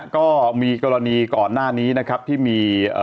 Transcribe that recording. ก็มีกรณีก่อนหน้านี้นะครับที่มี